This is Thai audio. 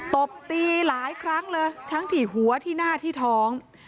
ตบตีหลายครั้งเลยทั้งที่หัวที่หน้าที่ท้อง